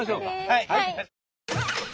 はい。